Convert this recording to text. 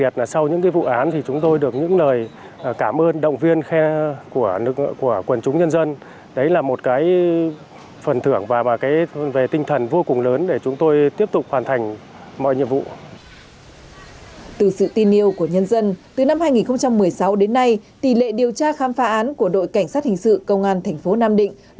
từ sự tin yêu của nhân dân từ năm hai nghìn một mươi sáu đến nay tỷ lệ điều tra khám phá án của đội cảnh sát hình sự công an thành phố nam định